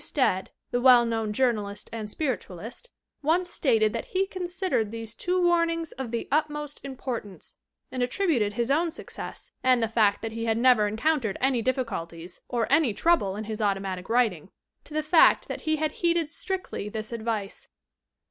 T. Stead, the well known journalist and spiritualist, once stated that he considered these two warnings of the utmost importance, and attributed his own success (and the fact that he had never en countered any difficulties or any trouble in his automatic writing) to the fact that he had heeded strictly this advice.